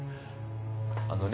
あのね